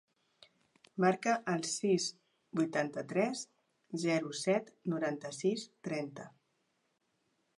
Marca el sis, vuitanta-tres, zero, set, noranta-sis, trenta.